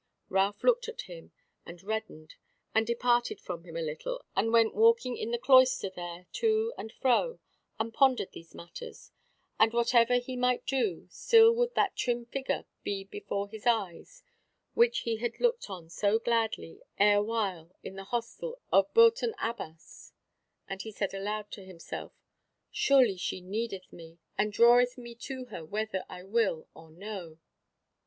Ralph looked at him and reddened, and departed from him a little, and went walking in the cloister there to and fro, and pondered these matters; and whatever he might do, still would that trim figure be before his eyes which he had looked on so gladly erewhile in the hostel of Bourton Abbas; and he said aloud to himself: "Surely she needeth me, and draweth me to her whether I will or no."